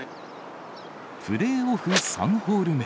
プレーオフ３ホール目。